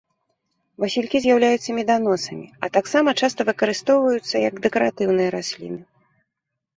Васількі з'яўляюцца меданосамі, а таксама часта выкарыстоўваюцца як дэкаратыўныя расліны.